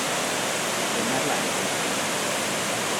Én már látom!